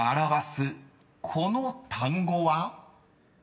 この単語は？］